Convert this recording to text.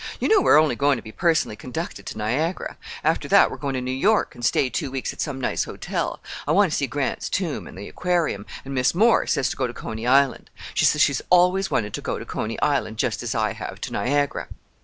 You know we're only going to be personally conducted to Niagara. After that we're going to New York and stay two weeks at some nice hotel. I want to see Grant's Tomb and the Aquarium, and Mis' Moore wants to go to Coney Island. She says she's always wanted to go to Coney Island just as I have to Niagara."